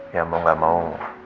ya mau gak mau